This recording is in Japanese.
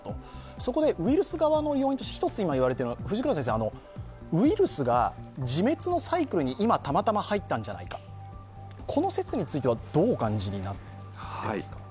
そこでウイルス側の要因として１つ言われているのは、ウイルスが自滅のサイクルに今たまたま入ったんじゃないか、この説についてはどうお感じになりますか？